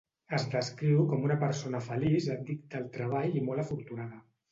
Es descriu com una persona feliç addicta al treball i molt afortunada.